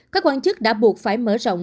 các quan chức đã buộc phải mở rộng